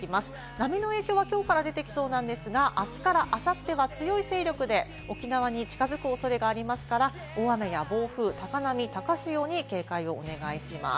波の影響はきょうから出てきそうなんですが、あすからあさっては強い勢力で沖縄に近づく恐れがありますから、大雨や暴風、高波、高潮に警戒をお願いします。